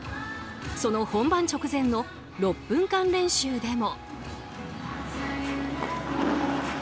その本番直前の６分間練習でも。